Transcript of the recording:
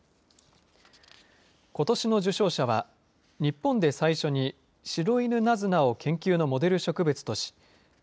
ことしの受賞者は日本で最初にシロイヌナズナを研究のモデル植物とし